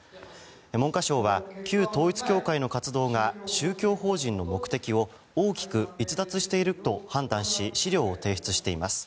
文科省は旧統一教会の活動が宗教法人の目的を大きく逸脱していると判断し資料を提出しています。